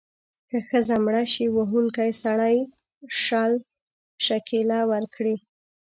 که ښځه مړه شي، وهونکی سړی شل شِکِله ورکړي.